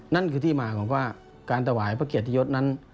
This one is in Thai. นั่นคือที่มาของว่าการถวายพระเกียรติยศนั้น